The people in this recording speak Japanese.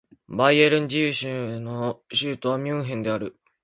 バイエルン自由州の州都はミュンヘンである